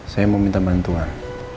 saya mau minta bantuan